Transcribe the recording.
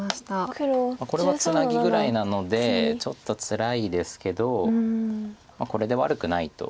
これはツナギぐらいなのでちょっとつらいですけどこれで悪くないと。